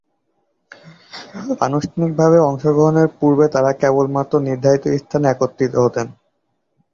আনুষ্ঠানিকভাবে অংশগ্রহণের পূর্বে তারা কেবলমাত্র নির্ধারিত স্থানে একত্রিত হতেন।